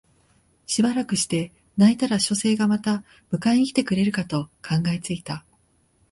しばらくして泣いたら書生がまた迎えに来てくれるかと考え付いた